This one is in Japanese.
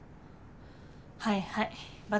はいはい罰